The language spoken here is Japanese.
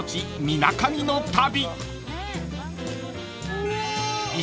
みなかみの旅］